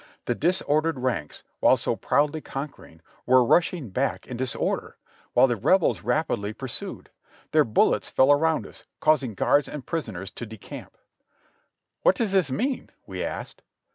The disordered ranks, while so proudly conquer ing, were rushing back in disorder, wdiile the Rebels rapidly pur sued; their bullets fell around us, causing guards and prisoners to decamp. "What does this mean?" we asked.